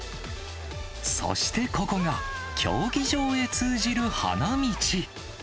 そして、ここが競技場へ通じる花道。